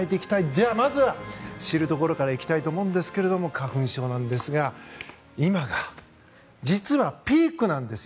では、まずは知るところからいきたいと思うんですが花粉症なんですが今が実はピークなんです。